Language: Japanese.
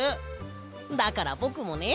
だからぼくもね